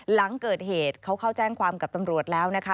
หลังเกิดเหตุเขาเข้าแจ้งความกับตำรวจแล้วนะคะ